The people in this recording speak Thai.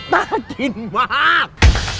น่ากินมาก